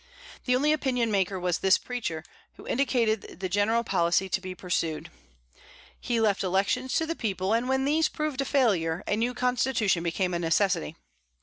The only opinion maker was this preacher, who indicated the general policy to be pursued. He left elections to the people; and when these proved a failure, a new constitution became a necessity.